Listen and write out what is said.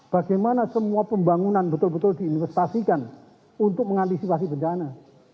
bagaimana semua pembangunan betul betul diinvestasikan untuk mengantisipasi bencana